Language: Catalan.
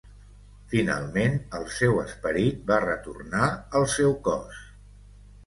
Finalment, el seu esperit va retornar al seu cos.